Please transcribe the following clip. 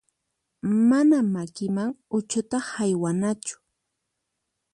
Mana makiman uchuta haywanachu.